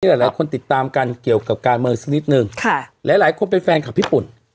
หลายหลายคนติดตามกันเกี่ยวกับการเมืองสักนิดนึงค่ะหลายหลายคนเป็นแฟนคลับพี่ปุ่น